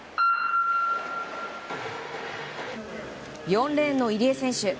４レーンの入江選手。